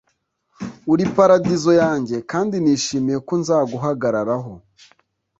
Uri paradizo yanjye kandi nishimiye ko nzaguhagararaho